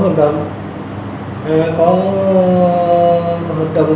có hợp đồng thuê thì có nhiều đơn vị